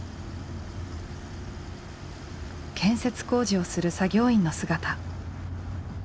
建設工事をする作業員の姿。